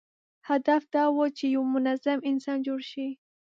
هدف دا و چې یو منظم انسان جوړ شي.